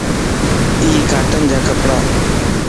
يي ڪاٽن جا ڪپڙان